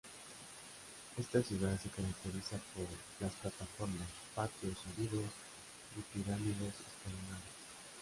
Esta ciudad se caracteriza por las plataformas, patios hundidos y pirámides escalonadas.